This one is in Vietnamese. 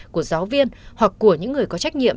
của giáo viên hoặc của những người có trách nhiệm